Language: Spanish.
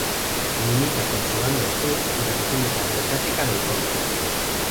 Limita con Sudán del Sur y la República Democrática del Congo.